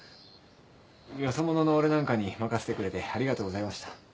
よそ者の俺なんかに任せてくれてありがとうございました。